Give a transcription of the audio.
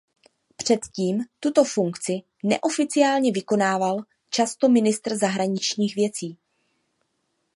Předtím tuto funkci neoficiálně vykonával často ministr zahraničních věcí.